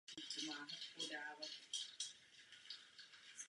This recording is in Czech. Nebude to jednoduché.